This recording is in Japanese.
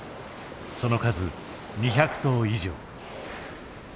その数２００頭以上。